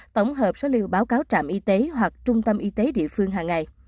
tổng hợp số liệu báo cáo trạm y tế hoặc trung tâm y tế địa phương hàng ngày